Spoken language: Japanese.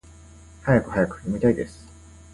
はやくはやく！読みたいです！